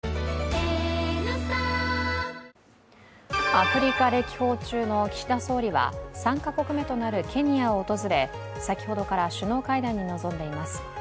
アフリカ歴訪中の岸田総理は３か国目となるケニアを訪れ先ほどから首脳会談に臨んでいます。